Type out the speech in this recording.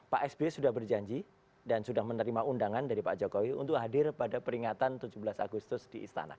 pak sby sudah berjanji dan sudah menerima undangan dari pak jokowi untuk hadir pada peringatan tujuh belas agustus di istana